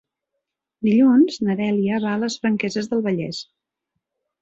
Dilluns na Dèlia va a les Franqueses del Vallès.